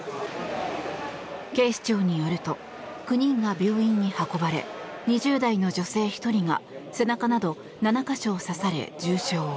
警視庁によると９人が病院に運ばれ２０代の女性１人が背中など７か所を刺され重傷。